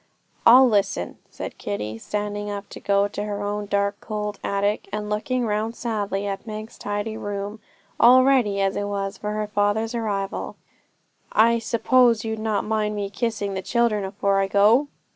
'I'll listen,' said Kitty, standing up to go to her own dark, cold attic, and looking round sadly at Meg's tidy room, all ready as it was for her father's arrival. 'I suppose you'd not mind me kissing the children afore I go?'